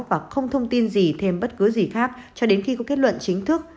và không thông tin gì thêm bất cứ gì khác cho đến khi có kết luận chính thức